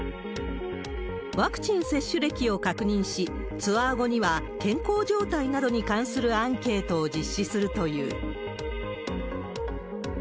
ワクチン接種歴を確認し、ツアー後には健康状態などに関するアンケートを実施するという。